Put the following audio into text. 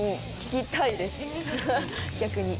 逆に。